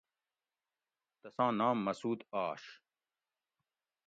تساں نام مسعود آش